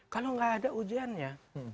kalau nggak ada ujiannya